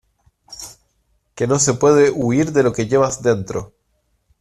que no se puede huir de lo que llevas dentro...